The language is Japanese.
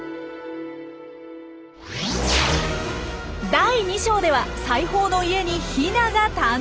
第２章では裁縫の家にヒナが誕生。